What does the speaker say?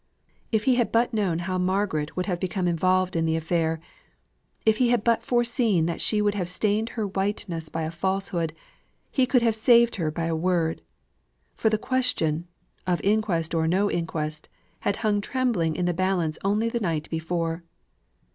If he had but known how Margaret would have become involved in the affair if he had but foreseen that he would have stained her whiteness by a falsehood, he could have saved her by a word; for the question, of inquest or no inquest, had hung trembling in the balance only the night before.